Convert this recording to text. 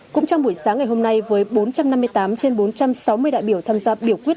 cũng trong buổi sáng ngày hôm nay với bốn trăm năm mươi tám trên bốn trăm sáu mươi đại biểu tham gia biểu quyết